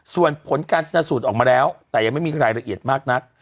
ส่วนผลการชนะสูตรออกมาแล้วแต่ยังไม่มีรายละเอียดมากนัก